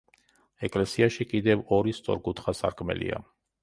ეკლესიაში კიდევ ორი სწორკუთხა სარკმელია.